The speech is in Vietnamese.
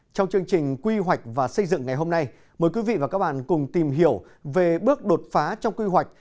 trong chương trình quy hoạch và xây dựng ngày hôm nay mời quý vị và các bạn cùng tìm hiểu về bước đột phá trong quy hoạch